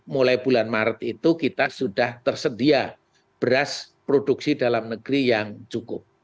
mulai bulan maret itu kita sudah tersedia beras produksi dalam negeri yang cukup